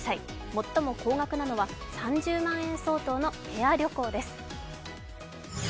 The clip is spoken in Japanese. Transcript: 最も高額なのは３０万円相当のペア旅行です。